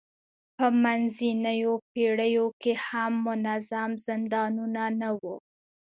په منځنیو پېړیو کې هم منظم زندانونه نه وو.